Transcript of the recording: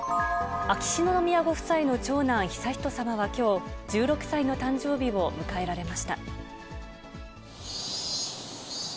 秋篠宮ご夫妻の長男、悠仁さまはきょう、１６歳の誕生日を迎えられました。